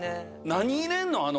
何入れんの？